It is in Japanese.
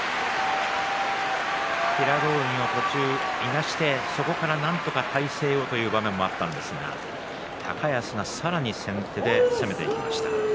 平戸海も途中いなしてそこからなんとか体勢をという場面もあったんですが高安がさらに先手で攻めていきました。